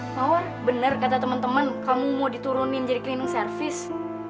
power bener kata teman teman kamu mau diturunin jadi cleaning service